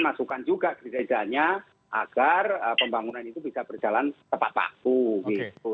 masukkan juga gerejanya agar pembangunan itu bisa berjalan tepat waktu gitu